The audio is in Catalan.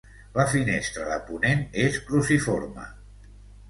La finestra de ponent és cruciforme.